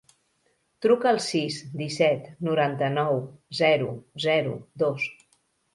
Truca al sis, disset, noranta-nou, zero, zero, dos.